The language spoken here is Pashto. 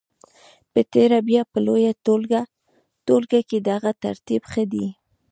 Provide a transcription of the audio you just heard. په تېره بیا په لویه ټولګه کې دغه ترتیب ښه دی.